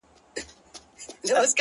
زما خوله كي شپېلۍ اشنا’